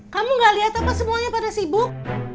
kamu gak lihat apa semuanya pada sibuk